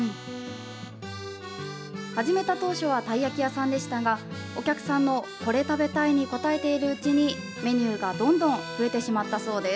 始めた当初はたい焼き屋さんでしたがお客さんのこれ食べたいに応えているうちにメニューがどんどん増えてしまったそうです。